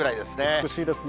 美しいですね。